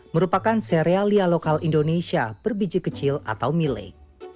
merupakan serealia lokal indonesia berbiji kecil atau mile